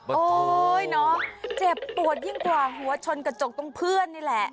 โอ๊ยน้องเจ็บปวดยิ่งกว่าหัวชนกระจกตรงเพื่อนนี่แหละ